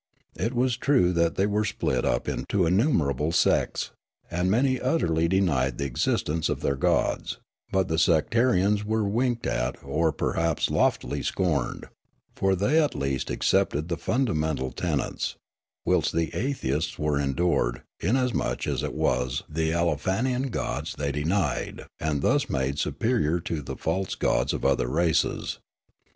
It was true that they were split up into in numerable .sects, and many utterh* denied the existence of their gods ; but the sectarians were winked at or perhaps loftily scorned : for they at least accepted the fundamental tenets ; whilst the atheists were endured, inasmuch as it was the Aleofanian gods they denied and thus made superior to the false gods of other races.